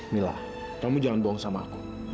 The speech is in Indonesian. mila kamu jangan bohong sama aku